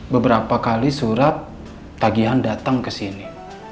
beberapa kali surat tagihan datang ke sini